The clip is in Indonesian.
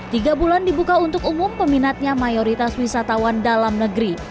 tiga bulan dibuka untuk umum peminatnya mayoritas wisatawan dalam negeri